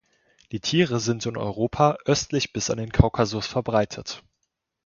Die Tiere sind in Europa, östlich bis an den Kaukasus verbreitet.